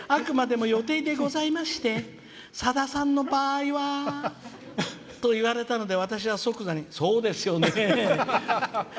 あくまでも予定でございましてさださんの場合はと言われたので私は即座に、そうですよね。